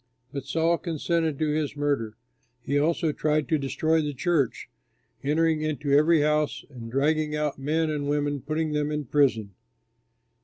But Saul consented to his murder. He also tried to destroy the church, entering into every house, and dragging out men and women, put them in prison.